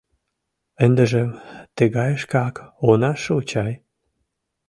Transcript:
Ындыжым тыгайышкак она шу чай?